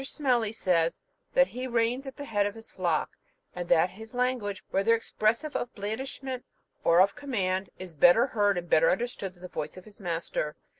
Smellie says, "that he reigns at the head of his flock, and that his language, whether expressive of blandishment or of command, is better heard and better understood than the voice of his master.